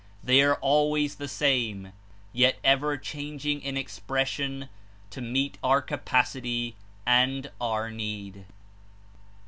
They are always the same, yet ever changing in expression to meet our capacity and our need.